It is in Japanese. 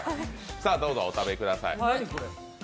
さあ、どうぞ、お食べください。